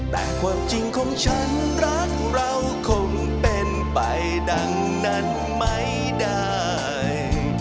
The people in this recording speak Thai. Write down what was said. แต่ความจริงของฉันรักเราคงเป็นไปดังนั้นไม่ได้